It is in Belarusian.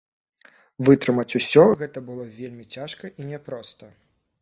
Вытрымаць усё гэта было вельмі цяжка і няпроста.